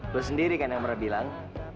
lo sendiri kan yang merah bilang